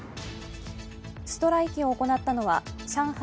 ストライキを行ったのは上海